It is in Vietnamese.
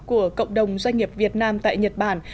của cộng đồng doanh nghiệp việt nam tại nhật bản